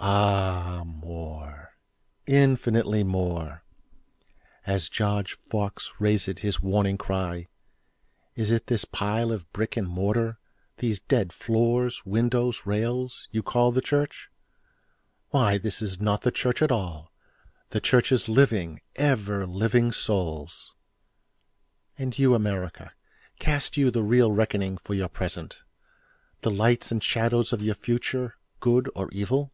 Ah more—infinitely more;(As George Fox rais'd his warning cry, "Is it this pile of brick and mortar—these dead floors, windows, rails—you call the church? Why this is not the church at all—the Church is living, ever living Souls.")And you, America, Cast you the real reckoning for your present? The lights and shadows of your future—good or evil?